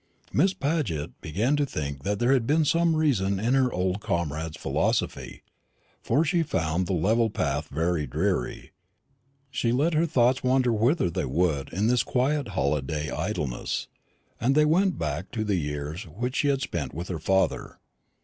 Miss Paget began to think that there had been some reason in her old comrade's philosophy; for she found the level path very dreary. She let her thoughts wander whither they would in this quiet holiday idleness, and they went back to the years which she had spent with her father.